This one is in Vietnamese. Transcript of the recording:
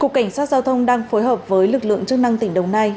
cục cảnh sát giao thông đang phối hợp với lực lượng chức năng tỉnh đồng nai